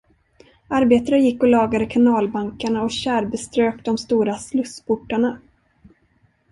Arbetare gick och lagade kanalbankarna och tjärbeströk de stora slussportarna.